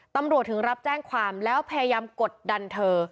ตำรวจถึงรับแจ้งความแล้วพยายามกดดันเธอ